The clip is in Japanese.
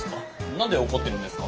何で怒ってるんですか？